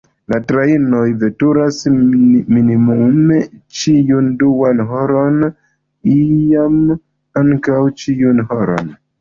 La trajnoj veturas minimume ĉiun duan horon, iam ankaŭ ĉiun horon.